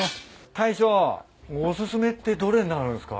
大将お薦めってどれになるんすか？